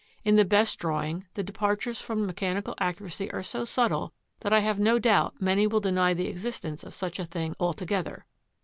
In the best drawing the departures from mechanical accuracy are so subtle that I have no doubt many will deny the existence of such a thing altogether.